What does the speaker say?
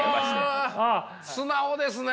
素直ですね。